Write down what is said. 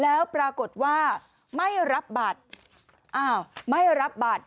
แล้วปรากฏว่าไม่รับบัตร